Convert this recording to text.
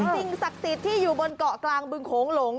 สิ่งศักดิ์สิทธิ์ที่อยู่บนเกาะกลางบึงโขงหลง